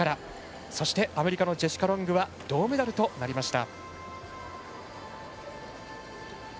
そして、アメリカのジェシカ・ロングは銅メダルとなりました。